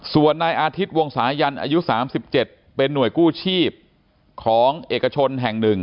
ส่วนนายอาทิตย์วงสายันอายุ๓๗เป็นหน่วยกู้ชีพของเอกชนแห่ง๑